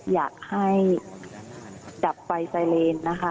อยากให้ดับไฟไซเลนนะคะ